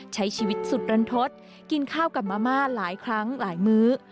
ใช้ชีวิตสุดรันทศกินข้าวกับมะม่าหลายครั้งหลายมื้อ